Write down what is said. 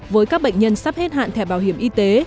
với các bệnh nhân sắp hết hạn thẻ bảo hiểm y tế